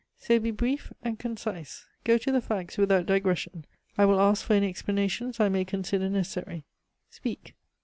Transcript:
So be brief and concise. Go to the facts without digression. I will ask for any explanations I may consider necessary. Speak."